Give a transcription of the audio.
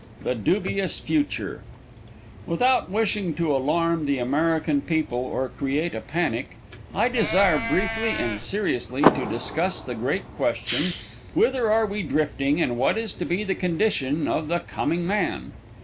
THE DUBIOUS FUTURE XV Without wishing to alarm the American people, or create a panic, I desire briefly and seriously to discuss the great question, "Whither are we drifting, and what is to be the condition of the coming man?"